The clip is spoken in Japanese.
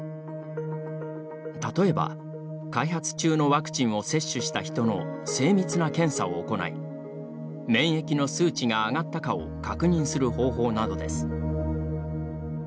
例えば、開発中のワクチンを接種した人の精密な検査を行い免疫の数値が上がったかを確認する方法などです。